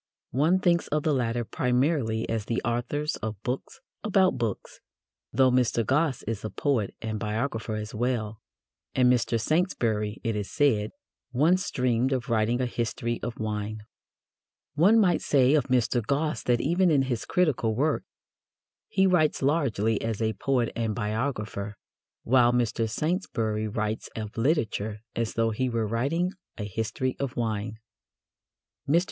One thinks of the latter primarily as the authors of books about books, though Mr. Gosse is a poet and biographer as well, and Mr. Saintsbury, it is said, once dreamed of writing a history of wine. One might say of Mr. Gosse that even in his critical work he writes largely as a poet and biographer, while Mr. Saintsbury writes of literature as though he were writing a history of wine. Mr.